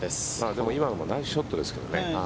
でも今のもナイスショットですけどね。